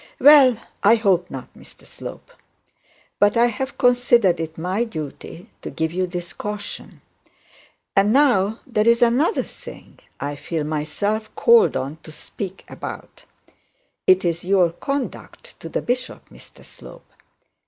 'Well, I hope not, Mr Slope. But I have considered it my duty to give you this caution; and now there is another thing I feel myself called upon to speak about; it is your conduct to the bishop, Mr Slope.'